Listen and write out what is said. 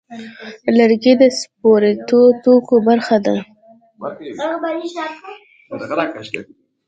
لرګی د سپورتي توکو برخه ده.